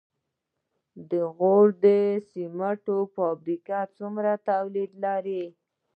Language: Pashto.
د غوري سمنټو فابریکه څومره تولید لري؟